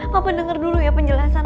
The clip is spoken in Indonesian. papa denger dulu ya penjelasan aku